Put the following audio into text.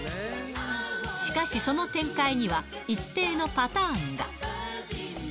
しかし、その展開には一定のパターンが。